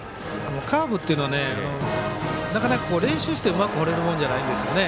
カーブっていうのはなかなか練習して、うまく放れるものじゃないんでよね。